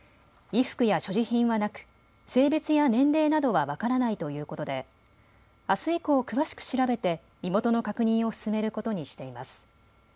衣服や所持品はなく性別や年齢などは分からないということであす以降、詳しく調べて身元の確認を進めることにしています。